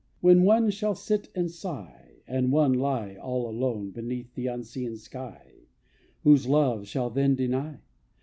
When one shall sit and sigh, And one lie all alone Beneath the unseen sky Whose love shall then deny?